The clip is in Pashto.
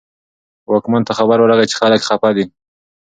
واکمن ته خبر ورغی چې خلک خپه دي.